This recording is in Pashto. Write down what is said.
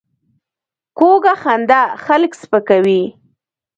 کوږه خندا خلک سپکوي